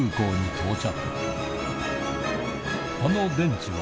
到着